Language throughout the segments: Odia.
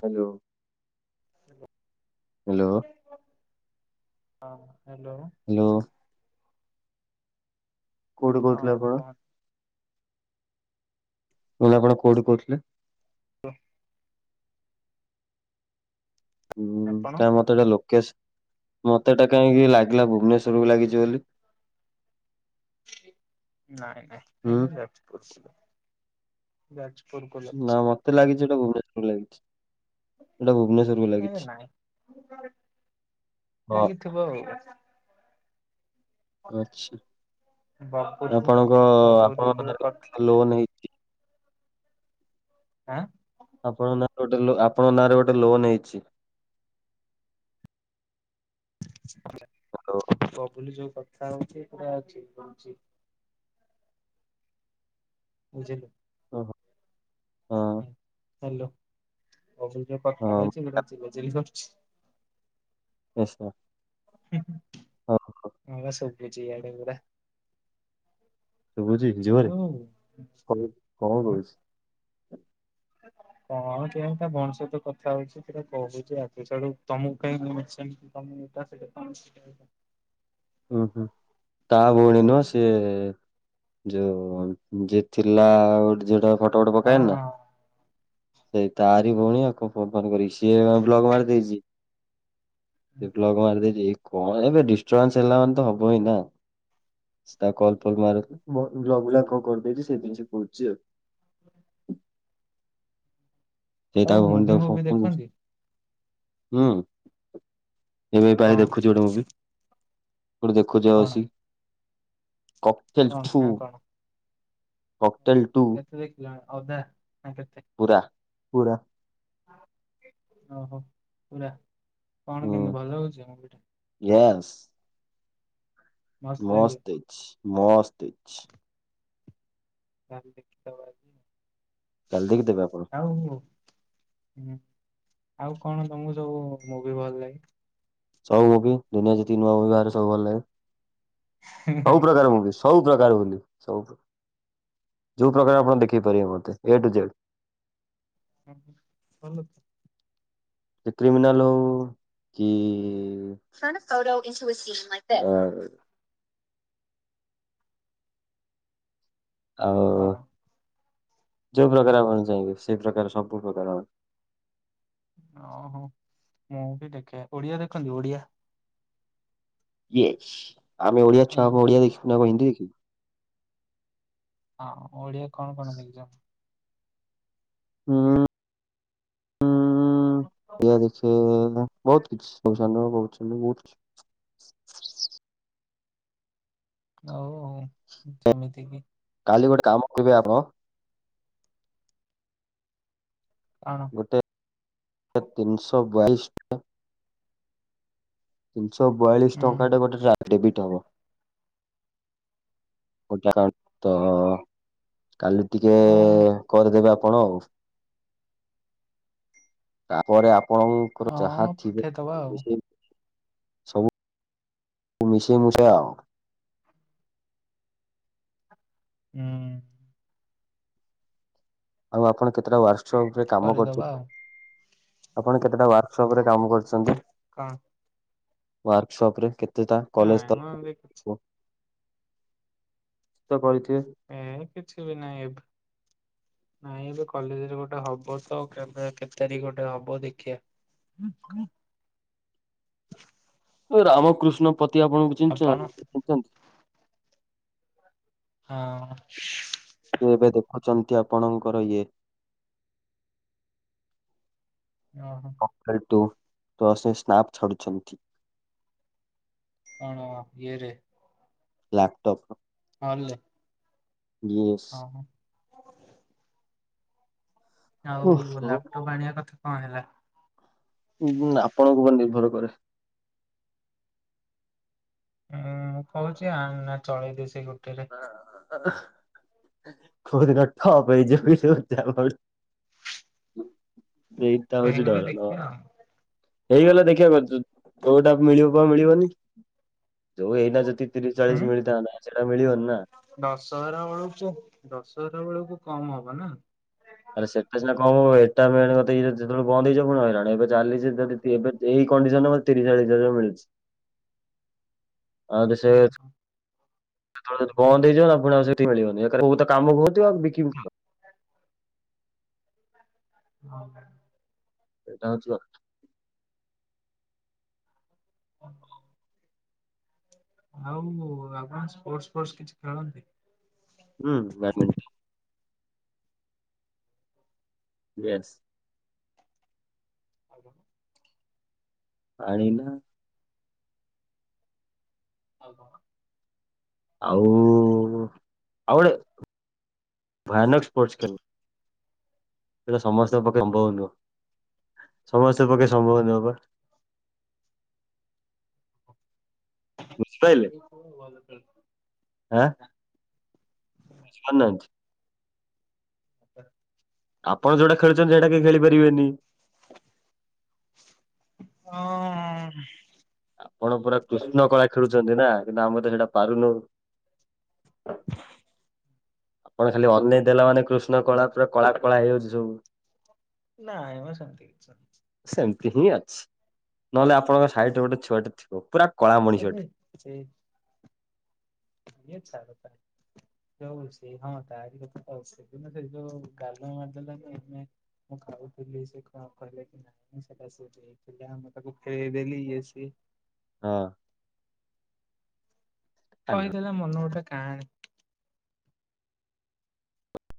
ହାଲୋ। ହାଲୋ। ହାଲୋ। ହଁ ହାଲୋ। ହାଲୋ। କୋଉଠୁ ହଁ କହୁଥିଲେ ଆପଣ? କୁହନ୍ତୁ ମୁଁ କହିଲି ଆପଣ କୋଉଠୁ କହୁଥିଲେ? ଲୋ ହୁଁ ଆପଣ? କାଇଁ ମତେ ଏଟା ଲୋକସ ମତେ ଏଟା କାହିଁକି ଲାଗିଲା ଭୁବନେଶ୍ଵରକୁୁ ଲାଗିଛି ବୋଲି? ନାଇଁ ନାଇଁ ହୁଁ ଏଇଟା ଯାଜପୁର ଜିଲ୍ଲା। ଯାଜପୁର ନା କଲେଜ। ମତେ ଲାଗିଛି ଏଇଟା ଭୁବନେଶ୍ୱରରେ ଲାଗିଛି ଏଇଟା ଭୁବନେଶ୍ୱର ଏ ନାଇଁ ହଁ ଲାଗିଥିବ ଆଉ। ଆଛା ବପୁଲ ଆପଣଙ୍କ ବବୁଲି ଆପଣ ନାଁ ଯୋଉ ରେ କଥା ଗୋଟେ ଲୋନ ହେଇ ଆଁ ଆପଣଙ୍କ ନାଁରେ ଗୋଟେ ଲୋ ଆପଣଙ୍କ ନାଁରେ ଗୋଟେ ଲୋନ୍ ହେଇଛି। ହ୍ୟାଲୋ କବୁଲି ଯୋଉ କଥା ହଉଛି ପୁରା ଠିକ କୋଉଚି। ବୁଝିଲୁ? ଓହୋ। ହଁ ହାଲୋ। ଅଭି ଯୋଉ କଥା ହଁ କହିଛି ମୁଁ ତାକୁ ଚିଲାଚିଲି କରୁଛି। ନିଶ୍ଚୟ ହଁ ବା ସୁୁବିଛି ଇଆଡେ ପୁରା। ଶୁଭୁଛି ଯିବନି ଯୋଉ କ କଣ ହଁ କହୁଛି। [inaudible] କଣ କେଜାଣି ତା ଭଉଣି ସହିତ କଥା ହଉଛି ସେଟା କହୁଛି ଆଜି ଛାଡି ତମକୁ କାହିଁକି ମୁଁ ନୁଚେଇବି। [unintelligible] ଉୁ ହୁଁ ତା ଭଉଣୀ ନୁହ ସେ ଯୋଉ ଯିଏ ଥିଲା ଆଉ ଝିଅଟା ଫଟୋ ଫଟ ପକାଏନ ନା ହଁ। ସେଇ ତାରି ଭଉଣୀ ଆଉ କଣ ଫୋନ ଫୋନ କରିକି ସିଏ ବ୍ଲକ ମାରି ଦେଇଛି। ବ୍ଲକ ମାରିଦେଇଛି କଣ ଏବେ ଡିଷ୍ଟର୍ବାନ୍ସ ହେଲା ମାନେ ତ ହବ ହିଁ ନା? ତା କଲ ଫଲ ମାରଥିଲା ବ ବ୍ଲକ ଗୁଲା କରିଦେଇଛି ସେ ଜିନି କହୁଛି ଆଉ [inaudible] ସେ ତା ଆଉ ଭଉଣୀ ମୁଭି ତାକୁ ଫୋନ ଫୁଭି କରୁ ଦେଖନ୍ତି [unintelligible] ହୁଁ ଏବେ ପା କଣ ଦେଖୁଛି ଗୋଟ ଦେଖ ମୁଭି। ହ ଦେଖୁଛି ପା କଣ ବସିକି? କକଟେଲ କଣ ଠୁ ନା କଣ? କକଟେଲ ଟୁ ହେଲା ଅଦା ନା କେତେ ପୁରା ପୁରା ଓହୋ ପୁରା କଣ ହୁଁ କିନ୍ତି ଭଲ ଲାଗୁଛି ମୁଭି ଟା? ୟେସ୍ ମସ୍ତ ହେଇଛି ମସ୍ତ ହେଇଛି। ତା ହେଲେ ଦେଖିଦବା କାଲି ଆଜି ଦେଖିଦେବେ ଆପଣ। ଆଉ ହୁଁ ଆଉ କଣ ତମକୁ ସବୁ ମୁଭି ଭଲ ଲାଗେ? ସବୁ ମୁଭି ଦୁନିଆରେ ଯେତିକି ନୂଆ ମୁଭି ବାହାରେ ସବୁ ଭଲ ଲାଗେ ସବୁ ମାନେ ପ୍ରକାର କଣ? ମୁଭିସ୍। ସବୁ ପ୍ରକାର ବନ୍ଧୁ ସବୁ ପ୍ରକାର ଯୋଉ ପ୍ରକାର ଆପଣ ଦେଖେଇ ପାରିବେ ମତେ ଏ ଟୁ ଜେଡ୍। [inaudible] ସେ କ୍ରିମିନାଲ ହଉ କି [inaudible] ଆଉ କଣ? ଯୋଉ ପ୍ରକାର ଆପଣ ଚାହିଁବେ, ସେଇ ପ୍ରକାର ସବୁ ପ୍ରକାର। ଓହୋ ମୁଁ ବି ଦେଖେ ଓଡିଆ ଦେଖନ୍ତି ଓଡିଆ? ୟସ୍। ଆମେ ଓଡିଆ ହଁ ଛୁଆ ଆମେ ଓଡିଆ ଦେଖିବୁନି ଆଉ କଣ ହିନ୍ଦୀ ଦେଖିବୁ। ହଁ, ଓଡିଆ କଣ କଣ ଦେଖିଛ? ଉଁ ଉଁ ଏଇଆ ଦେଖିଛି। ସେ ବହୁତ କିଛି [unintelligible] ବହୁତ୍ କିଛି। ଆଉ ଯେମିତି କି? କାଲି ଗୋଟେ କାମ କରିବେ ଆପଣ? କଣ? ଗୋଟେ ତିନିଶହ ବାଇଶି ଟ ତିନିଶହ ବୟାଳିଶ ହୁଁ। ଟଙ୍କା ଟେ ଗୋଟେ ଡେବିଟ୍ ହବ। [unintelligible] କାଲି ଟିକେ ଓ କରିଦେବେ ଆପଣ ଆଉ। ତାପରେ ଅ ଆପଣଙ୍କର ହଁ ଯାହା ଥିବେ [inaudible] ପଠେଇଦବା ଆଉ। ସବୁ [inaudible] ମିଶେଇ ମିଶେ ଆଉ ହୁଁ। ଆଉ ଆପଣ କେତେଟା ୱାର୍କସପ୍ ରେ କାମ କରିଦବା କରିଛନ୍ତି? ଆଉ। ଆପଣ କେତେଟା ୱାର୍କସପ ରେ କାମ କରିଛନ୍ତି? କଣ? ୱାର୍କସପରେ କେତେଟା କଲେଜ ନାଇଁ ମ ଏମିତି କିଛି ତରଫରୁ? କିଛି ତ କରିଥିବେ। ଏ କିଛି ବି ନାଇଁ ଏବେ ନାଇଁ ଏବେ କଲେଜରେ ଗୋଟେ ହବ ତ କେବେ କେତେ ତାରିଖ ଗୋଟେ ହବ ଦେଖିବା। [inaudible] ଯୋଉ ରାମକୃଷ୍ଣ ପତି ଆପଣଙ୍କୁ ଚିହ୍ନିଛ ଆପଣ ଚିହ୍ନିଛନ୍ତି। ହଁ। ସେ ଏବେ ଦେଖୁଛନ୍ତି ଆପଣଙ୍କର ଇଏ। ଯା ହ ଉ। [unintelligible] ତ ସେ ସ୍ନାପ ଛାଡୁଛନ୍ତି। ତା ଙ୍କ ଇଏରେ। ଲାପଟପ। ହଲ୍ ରେ। ଇଏସ୍। ଆଉ ଓହୋ ଲାପଟପ୍ ଆଣିବା କଥା କଁ ହେଲା? ହୁ ଆପଣଙ୍କ ଉପରେ ନିର୍ଭର କରେ। ମୁଁ କହୁଛି ଆଣନା ଚଳେଇ ଦେ ସେଇ ଗୋଟେରେ। [unintelligible] କୋଉଦିନ ଠପ ହେଇଯିବ [inaudible] ସେଇ ଟା ହଉଛି ହେଇଗଲେ ଡର ନ ଦେଖିବା ଆଉ। ହେଇଗଲେ ଦେଖିବା ବ ଯୋ କୋଉଟା ମିଳିବ ମିଳିବନି। ଯୋଉ ଏଇଟା ଯେତିକି ତିରିଶ ଉଁ ଚାଳିଶ ମିଳିଥାନ୍ତା ସେଇଟା ମିଳିବନି ନା। ଦଶହରା ବେଳକୁ ଦଶହରା ବେଳକୁ କମ୍ ହବ ନା। ଆରେ ସେଟା ସିନା କମ୍ ହବ ଏଟା ମେନ୍ ମତେ ଇଏ ଯେତେବେଳେ ବନ୍ଦ୍ ହେଇଯିବ ପୁଣି ହାଇରାଣ ଏବେ ଚାଲିଛି ଯଦି। ଏବେ ଏଇ କଣ୍ଡିସନରେ ମୋର ତିରିଶ ଚାଳିଶ ହଜାର ମିଳିଛି ଆ ଉ ଯଦି ସେ ଓହୋ କେତେବେଳେ ଯଦି ବନ୍ଦ ହେଇଯିବ ନା ଫୁଣି ଆଉ ସେତିକି ମିଳିବନି ଏକ ରେ କୋଉ ତ କାମକୁ ହଉନଥିବ ଆଉ ବିକିିବି କଣ। ହଁ। ସେଇଟା ହେଉଛି କଥା। ଆଉ ଆପଣ ସ୍ପୋର୍ଟ ଫୋର୍ସ କିଛି ଖେଳନ୍ତି। ହୁଁ ବାରମେଣ୍ଟି। ୟେସ। ଆଉ କଁ। ଆଣିବି ନା। ଆଉ କଁ କ। ଆଉ ଆଉ ଗୋଟେ ଭୟାନକ ସ୍ପୋର୍ଟସ ଖେଳେ। ସେଇଟା ସମସ୍ତଙ୍କ ପକ୍ଷେ କଣ ସମ୍ଭବ ନୁହଁ ସମସ୍ତଙ୍କ ପକ୍ଷେ ସମ୍ଭବ ନୁହଁ ପା। ବୁଝି ପାଇଲେ ଏଇ ସବୁ ଭଲ ଖେଳୁଥିଲେ। ଆଁ। ବୁଝି ପାରୁ ନାହାନ୍ତି। [inaudible] ଆପଣ ଯୋଉଟା ଖେଳୁଚନ୍ତି ସେଇଟା କେହି ଖେଳି ପାରିବେନି। ହଁ। ଆପଣ ପୁରା କୃଷ୍ଣ କଳା ଖେଳୁଛନ୍ତି ନା କିନ୍ତୁ ଆମେ ତ ସେଇଟା ପାରୁନୁ। ଆପଣ ଖାଲି ଅନେଇ ଦେଲା ମାନେ କୃଷ୍ଣ କଳା ପୁରା କଳା କଳା ହେଇଯାଉଛି ସବୁ। ନାଇମ ସେମତି କିଛି ନାଇ। ସେମିତି ହିଁ ଅଛି, ନହେଲେ ଆପଣଙ୍କ ସାଇଟ୍ ରେ ଗୋଟେ ଛୁଆଟେ ଥିବ ପୁରା କଳା ମଣିଷ ଟେ। ସେଇ। ଦିଅ ଛାଡ ତା। ଯୋଉ ସେ ହଁ ତାରି କଥା ତ ସେଦିନ ସେଇଥି ପାଇଁ ଆଉ ଗାଲୁ ମାରି ଦେଲନି ଆଉ ନାଇଁ। ମୁଁ ଖାଉ ଥିଲି ସେ କଣ କହିଲା କି ନା। ନାହିଁ ସେଟା ସେ ଦେଇ ଥିଲା ମୁଁ ତାକୁ ଫେରେଇ ଦେଲି ଇଏ ସିଏ। ହଁ। କହି ହ୍ୟାଲୋ ଦେଲା ମନକୁ ଗୋଟା କାହାଣୀ।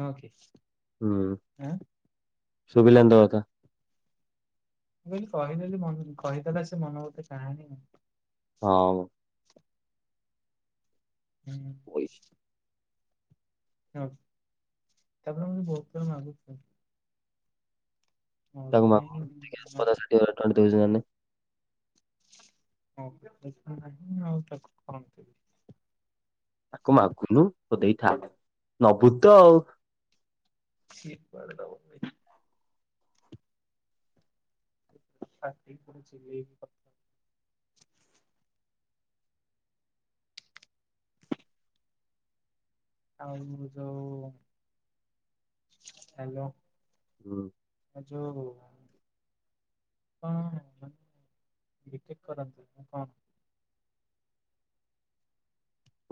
ନୁହଁ କି? ହୁଁ ଆଁ ମୁଁ ଶୁଭିିଲାନି ତୋ କଥା। ମୁଁ କହିଦେଲି ମନ୍ କହିଦେଲା ସେ ମନ ଗୋଟେ କାହାଣୀ ହଁ। ହୁଁ। ପଇସା ହଁ ତାପରେ ମୁ ବହୁତ ଥର ମାଗୁ ତାକୁ ପାଇଁ ମଗୁନୁ ଦେଖିଆ [unintelligible] ନ ହଜାର ଟଙ୍କା ଦେଉଛି ନା ନାଇ। ହା ନାହିଁ ଆଉ ତାକୁ କରନ୍ତି। ତାକୁ ମାଗୁନୁ କହ ଦେଇଥା ନୋବୁତ ସେ କୁଆଡେ ଦବ [inaudible] [unintelligible] ଆଉ ଯୋଉ ହାଲୋ। ହୁଁ। ଆ ଯୋଉ ଆପଣ ବି ଟେକ୍ କରନ୍ତି ନା କଣ?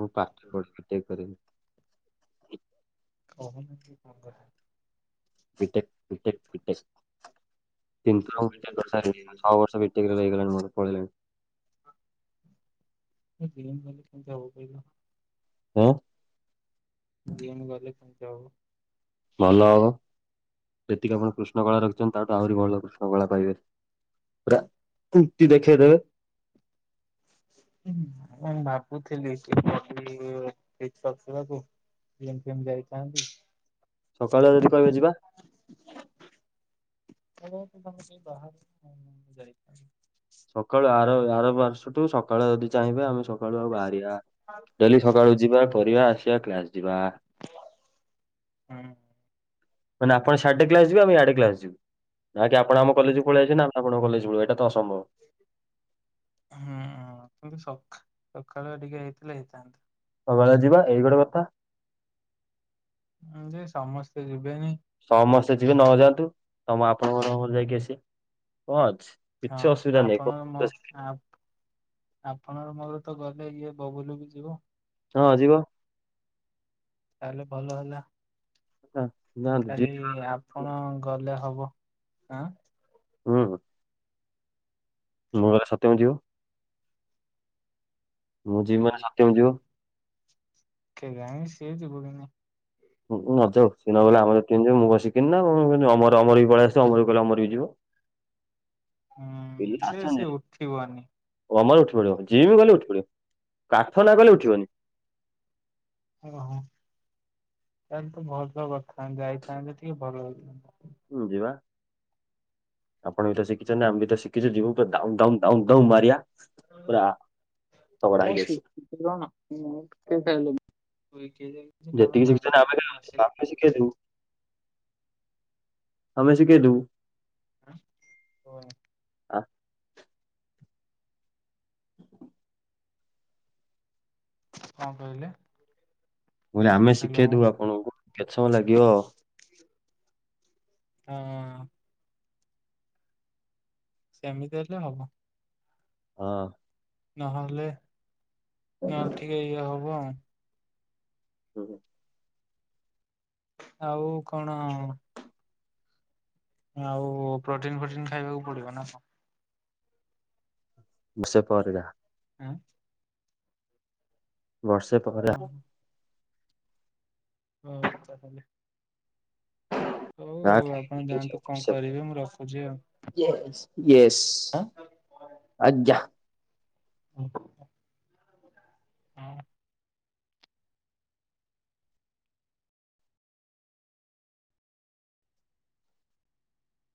ମୁଁ ପାଠ ପଢି ବି ଟେକ୍ କରିନି। କହୁନୁ ତୁ କଣ କରୁ? B tech B tech B tech. କିନ୍ତୁ ଆଉ [unintelligible] ଛଅ ବର୍ଷ ବି ଟେକରେ ପଳେଇଲାଣି ମୋର। [unintelligible] ହଁ। ଜିମ୍ ଗଲେ କେମିତି ହବ। ଭଲ ହବ ଯେତିକି ଆପଣ କୃଷ୍ଣ କଳା ରଖିଛନ୍ତି ତାଠୁ ଆହୁରି ଭଲ କୃଷ୍ଣ କଳା ପାଇବେ। ପୁରା କୁତି ଦେଖେଇଦେବେ। ହ ମୁଁ ଭାବୁଥିଲି ସେ [unintelligible] କୁ ଏମତି ଏମତି ଯାଇଥାନ୍ତି। ସକାଳୁଆ ଯଦି କହିବେ ଯିବା। ଆମ କେ ବାହାର ଯାଇ ସକାଳୁ ଆର ଆର ପାର୍ଶଠୁ ସକାଳୁ ଯଦି ଚାହିଁବେ ଆମେ ସକାଳୁ ଆଉ ବାହାରିବା ଡେଲି ସକାଳୁ। ଯିବା କରିବା ଆସିବା କ୍ଲାସ ଯିବା। ହୁଁ। ମାନେ ଆପଣ ସିଆଡେ କ୍ଲାସ ଯିବେ ଆମେ ଇଆଡେ କ୍ଲାସ ଯିବୁ। ନା କି ଆପଣ ଆମ କଲେଜକୁ ପଳେଇଆସିବେ ନା ଆପଣଙ୍କ କଲେଜ ଯିବୁ ଏଟା ତ ଅସମ୍ଭବ। ହୁଁଁ କିନ୍ତୁ ସକାଳୁ ଟିକେ ହେଇଥିଲେ ହେଇଥାନ୍ତା। ରବିବାରେ ଯିବା ଏଇ ଗୋଟେ କଥା। ହୁଁ ଯେ ସମସ୍ତେ ଯିବେନି ସମସ୍ତେ ଯିବେ ନ ଯାଆନ୍ତୁ ତମ ଆପଣଙ୍କର ଯାଇକି ଆସିବ କଣ ଅଛି। ହଁ କିଛି ଅସୁବିଧା ନାହିଁ ଆପଣ ଙ୍କର ମୋର ଆ ଆପଣ ମୋର ତ ଗଲେ ଇଏ ବବୁଲୁ ବି ଯିବ। ହଁ ଯିବ ତାହେଲେ ଭଲ ହେଲା। ହ ନିଅନ୍ତୁ ଯେ କି ଆପଣ ଗଲେ ହବ ହଁ ହୁଁ ହଁ। ମୁଁ ଗଲେ ସତ୍ୟମ ଯିବ। ମୁଁ ଯିବି ମାନେ ସତ୍ୟମ ଯିବ। କେଜାଣି ସେ ଯିବ କି ନାଇଁ। ହୁଁ ନଯାଉ ସିଏ ନ ଗଲେ ଆମର କେନ୍ତି ଯିବ। ମୁଁ କଣ ସିକିନି ନା କମରମର ବି ପଳେଇ ଆସିବ ଅମର କହିଲେ ଅମର ବି ଯିବ। ହୁଁ ସେ ସେ ଉଠିବନି। ଅମର ଉଠି ପଡ଼ିବ ଯିଏ ବି ଗଲେ ଉଠିପଡିବ। ପାଠ ନା କହିଲେ ଉଠିବନି। ହଁ ହଁ ତାହଲେ ତ ଭଲ କଥା ଯାଇଥାନ୍ତେ ଟିକେ ଭଲ ହେଇଥାନ୍ତା। ହୁଁ ଯିବା। ଆପଣ ବି ତ ଶିଖିଛନ୍ତି। ଆମେ ବି ତ ଶିଖିଛ ଯିବୁ ପୁରା ଡାଉନ ଡାଉନ ମାରିଆ। ପୁରା ଥବଡ଼ା ହେଇକି ଆସିବେ। [unintelligible] ଯେତିକି ଶିକ୍ଷା ମାରିବ ଆମେ ନେଲୁ ମାସେ ଆମେ ବି ଖଣ୍ଡେ ଲାଗିବ। ଶିଖେଇଦେବୁ। ଆମେ ଶିଖେଇଦେବୁ। ହଁ ହ। ଆ କଣ କହିଲେ? ବେ ଆମେ ହ୍ୟାଲୋ ଶିଖେଇଦବୁ ଆପଣଙ୍କୁ କେତେ ସମୟ ଲାଗିବ। ହଁ। ସେମିତି ହେଲେ ହବ। ହଁ। ନହେଲେ ନହଲେ ଠିକ ଇଏ ହବ। ହୁଁ ହଁ। ଆଉ କଣ? ଆଉ ପ୍ରୋଟିନ ଫୋଟିନ ଖାଇବାକୁ ପଡିବ ନା କଣ? ସେ ପରିଡା। ହଁ। ବର୍ଷେ ପୁରା। ଓହୋ। ହଁ। ଆଉ ଷ୍ଟାର୍ଟ ଆପଣ ହେଇନି ଯାଆନ୍ତୁ କିଛି କଣ କରିବେ ମୁଁ ରଖୁଛି ଆଉ। [unintelligible] ୟେଶ ଆଜ୍ଞା। ହ ହଁ।